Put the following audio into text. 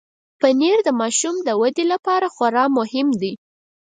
پنېر د ماشوم ودې لپاره خورا مهم دی.